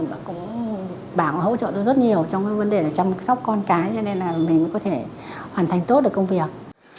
và cũng bảo hỗ trợ tôi rất nhiều trong cái vấn đề là chăm sóc con cái cho nên là mình mới có thể hoàn thành tốt được công việc